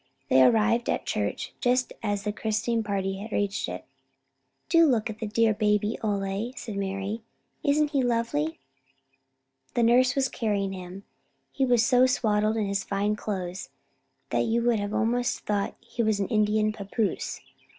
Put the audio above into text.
They arrived at the church just as the christening party reached it. "Do look at the dear baby, Ole," said Mari. "Isn't he lovely?" The nurse was carrying him. He was so swaddled in his fine clothes that you would have almost thought he was an Indian pappoose.